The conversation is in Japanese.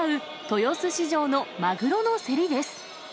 豊洲市場のマグロの競りです。